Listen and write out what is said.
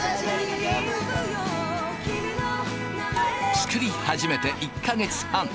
作り始めて１か月半。